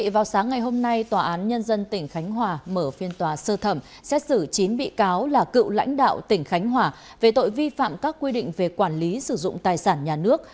vào sáng ngày hôm nay tòa án nhân dân tỉnh khánh hòa mở phiên tòa sơ thẩm xét xử chín bị cáo là cựu lãnh đạo tỉnh khánh hòa về tội vi phạm các quy định về quản lý sử dụng tài sản nhà nước